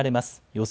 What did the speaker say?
予想